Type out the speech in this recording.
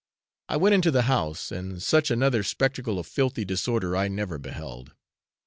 I went into the house, and such another spectacle of filthy disorder I never beheld.